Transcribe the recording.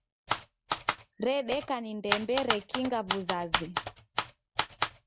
Redeka ni ndembe rekinga w'uzazi